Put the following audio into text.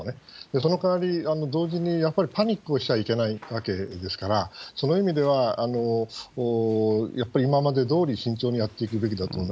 そのかわり、同時にやっぱりパニックをしちゃいけないわけですから、その意味では、やっぱり今までどおり慎重にやっていくべきだと思う。